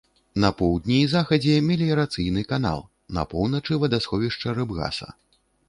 На поўдні і захадзе меліярацыйны канал, на поўначы вадасховішча рыбгаса.